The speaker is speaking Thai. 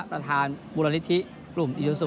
ประธานบุรณิธิกลุ่มอินุสุ